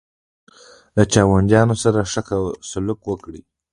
له چاونډیانو سره ښه سلوک وکړه.